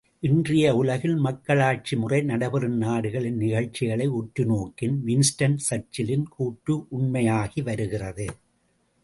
இன்றைய உலகில் மக்களாட்சி முறை நடைபெறும் நாடுகளின் நிகழ்ச்சிகளை உற்று நோக்கின் வின்ஸ்டன் சர்ச்சிலின் கூற்று உண்மையாகி வருகிறது.